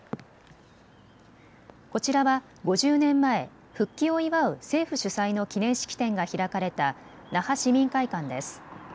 こちらは５０年前、復帰を祝う政府主催の記念式典が開かれた那覇市民会館です。